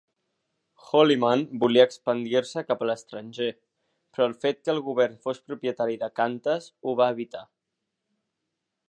Holyman volia expandir-se cap a l'estranger, però el fet que el govern fos propietari de Qantas ho va evitar.